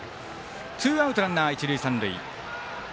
ツーアウト、ランナー、一塁三塁。